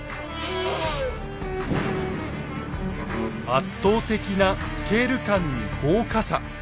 圧倒的なスケール感に豪華さ。